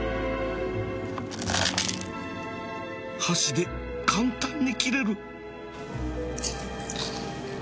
箸で簡単に切れる